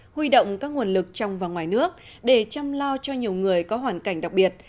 huy động các nguồn lực trong và ngoài nước để chăm lo cho nhiều người có hoàn cảnh đặc biệt